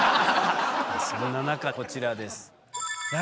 そんな中こちらです。